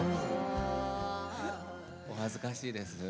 お恥ずかしいです。